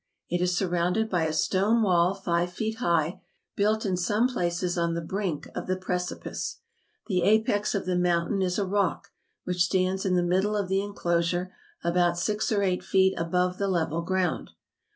It is surrounded by a stone wall five feet high, built in some places on the brink of the precipice. The apex of the mountain is a rock, which stands in the middle of the inclosure, about six or eight feet above the level ground.